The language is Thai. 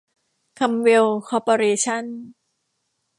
คัมเวล คอร์ปอเรชั่น